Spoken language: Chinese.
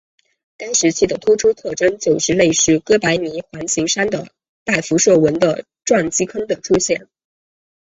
该时期的突出特征就是类似哥白尼环形山的带辐射纹的撞击坑的出现。